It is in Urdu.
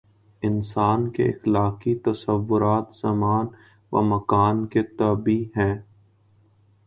انسان کے اخلاقی تصورات زمان و مکان کے تابع ہیں۔